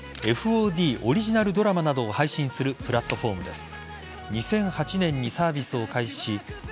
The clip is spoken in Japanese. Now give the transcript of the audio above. ＦＯＤオリジナルドラマなどを配信するプラットフォームです。